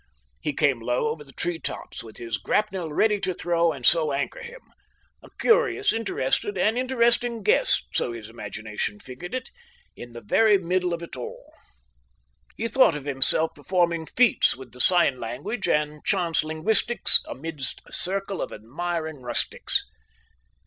He came low over the tree tops, with his grapnel ready to throw and so anchor him a curious, interested, and interesting guest, so his imagination figured it, in the very middle of it all. He thought of himself performing feats with the sign language and chance linguistics amidst a circle of admiring rustics....